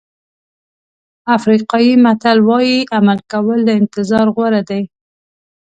افریقایي متل وایي عمل کول له انتظار غوره دي.